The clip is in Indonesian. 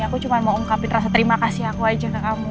aku cuma mau ungkapin rasa terima kasih aku aja ke kamu